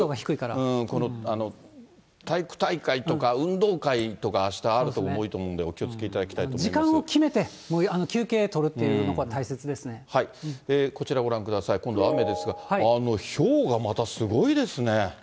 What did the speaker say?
この、体育大会とか運動会とか、あしたあるとこ多いと思うんで、お気をつけいただきたいと思時間を決めて、休憩取るってこちらご覧ください。今度雨ですが、ひょうがまたすごいですね。